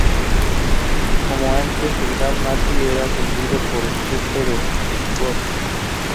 Como antes, el "gaa mati" era atendido a por el resto del "got.